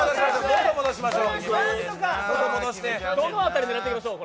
どの辺り狙っていきましょう？